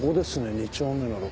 ２丁目の６。